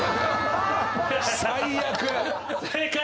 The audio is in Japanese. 最悪！